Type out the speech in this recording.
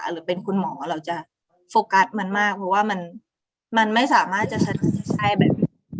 หรือเป็นคุณหมอเราจะโฟกัสมันมากเพราะว่ามันไม่สามารถจะได้แบบนี้